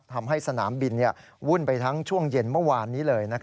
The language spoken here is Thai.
ทำให้สนามบินวุ่นไปทั้งช่วงเย็นเมื่อวานนี้เลย